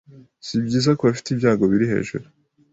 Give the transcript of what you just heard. si byiza kubafite ibyago biri hejuru